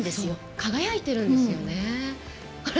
輝いてるんですよね。